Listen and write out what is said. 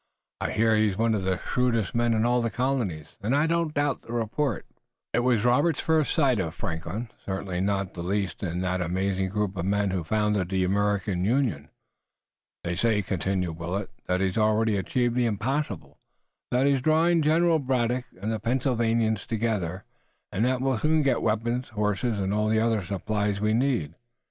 "I hear he's one of the shrewdest men in all the colonies, and I don't doubt the report." It was Robert's first sight of Franklin, certainly not the least in that amazing group of men who founded the American Union. "They say," continued Willet, "that he's already achieved the impossible, that he's drawing General Braddock and the Pennsylvanians together, and that we'll soon get weapons, horses and all the other supplies we need."